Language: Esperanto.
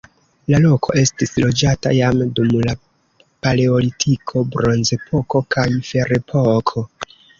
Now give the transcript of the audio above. La loko estis loĝata jam dum la paleolitiko, bronzepoko kaj ferepoko.